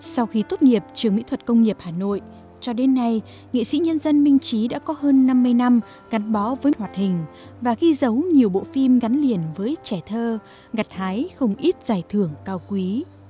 sau khi tốt nghiệp trường mỹ thuật công nghiệp hà nội cho đến nay nghệ sĩ nhân dân minh trí đã có hơn năm mươi năm gắn bó với hoạt hình và ghi dấu nhiều bộ phim gắn liền với trẻ thơ ngặt hái không ít giải thưởng cao quý